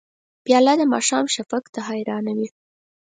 پیاله د ماښام شفق ته حیرانه وي.